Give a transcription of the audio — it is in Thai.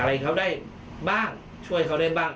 อะไรเขาได้บ้างช่วยเขาได้บ้าง